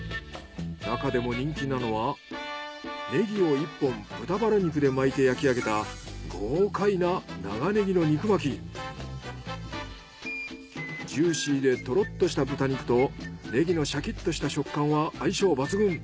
なかでも人気なのはネギを１本豚バラ肉で巻いて焼き上げた豪快なジューシーでトロッとした豚肉とネギのシャキッとした食感は相性抜群。